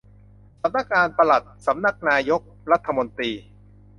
สำนักงานปลัดสำนักนายกรัฐมนตรี